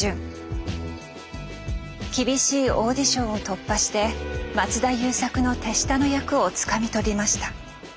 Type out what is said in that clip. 厳しいオーディションを突破して松田優作の手下の役をつかみ取りました。